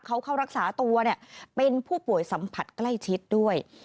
เขาเข้ารักษาตัวเป็นผู้ป่วยสัมผัสใกล้ชิดด้วย